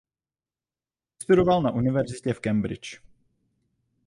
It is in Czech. Vystudoval na univerzitě v Cambridge.